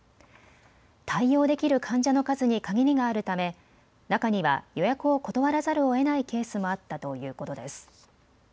対応できる患者の数に限りがあるため中には予約を断らざるをえないケースもあったということです。